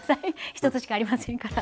１つしかありませんから。